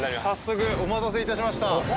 早速お待たせいたしました！